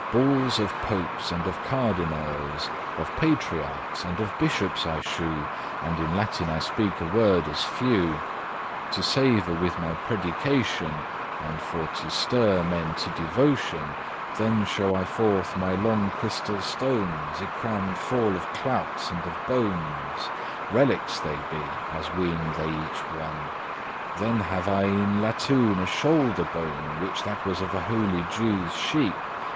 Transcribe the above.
Bulles of popes, and of cardinales, Of patriarchs, and of bishops I shew, And in Latin I speak a wordes few, To savour with my predication, And for to stir men to devotion Then show I forth my longe crystal stones, Y crammed fall of cloutes* and of bones; *rags, fragments Relics they be, as *weene they* each one. *as my listeners think* Then have I in latoun* a shoulder bone *brass Which that was of a holy Jewe's sheep.